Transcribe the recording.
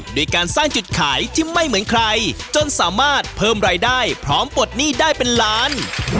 ด้วยการสร้างจุดขายที่ไม่เหมือนใครจนสามารถเพิ่มรายได้พร้อมปลดหนี้ได้เป็นล้าน